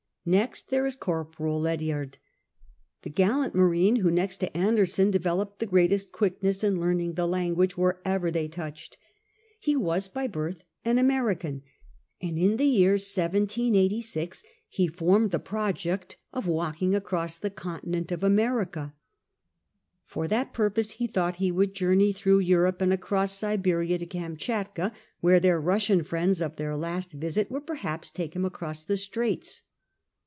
Next, there is Corporal Lediard, that gallant marine who, next to Anderson, developed the greatest quickness in learning the language wherever they touched. Ho was by birth an American, and in the year 1786 he formed the project of walking across the continent of America. For that purpose he thought he would journey ' XIII CORPORAL LEDIARD l8i through Europe and across Siberia to Kamschatka, where their llussian friends of their last visit would per haps take him across the straits.